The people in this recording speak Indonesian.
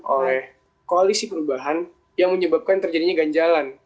oleh koalisi perubahan yang menyebabkan terjadinya ganjalan